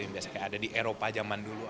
yang biasa kayak ada di eropa zaman dulu